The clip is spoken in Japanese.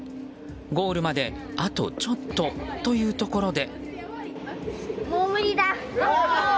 ゴールまで、あとちょっとというところで。